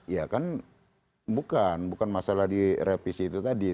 ya kan bukan bukan masalah di revisi itu tadi